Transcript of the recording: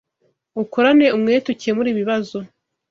Ukorane umwete ukemure ibibazo